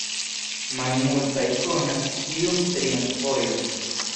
Malmultaj konas tiun trian vojon.